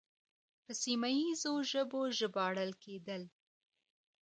په سیمه ییزو ژبو ژباړل کېدل